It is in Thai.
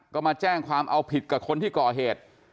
ก็มาแจ้งความเอาผิดกับคนที่ก่อเหตุ